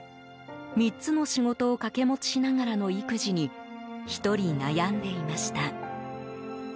３つの仕事を掛け持ちしながらの育児に１人悩んでいました。